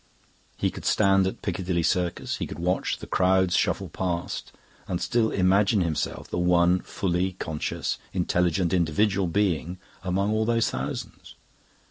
He could stand at Piccadilly Circus, could watch the crowds shuffle past, and still imagine himself the one fully conscious, intelligent, individual being among all those thousands.